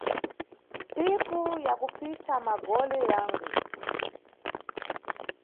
Ntsiku ya kupfitsa magole yangu